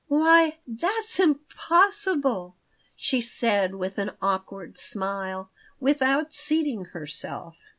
'" "Why, that's impossible!" she said, with an awkward smile, without seating herself.